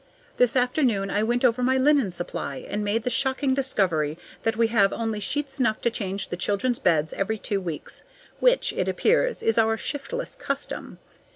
This afternoon I went over my linen supply, and made the shocking discovery that we have only sheets enough to change the children's beds every two weeks, which, it appears, is our shiftless custom.